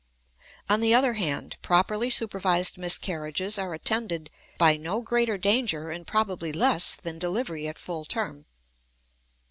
On the other hand, properly supervised miscarriages are attended by no greater danger and probably less than delivery at full term.